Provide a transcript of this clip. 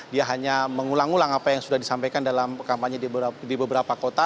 dia hanya mengulang ulang apa yang sudah disampaikan dalam kampanye di beberapa kota